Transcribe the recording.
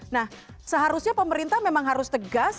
nah seharusnya pemerintah memang harus tegas